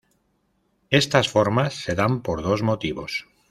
Estas formas se dan por dos motivos.